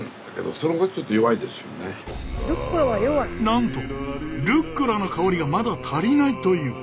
なんとルッコラの香りがまだ足りないという。